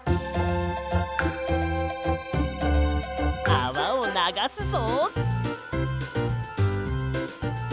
あわをながすぞ！